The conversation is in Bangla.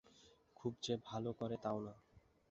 খুব যে ভালো করে তাও না।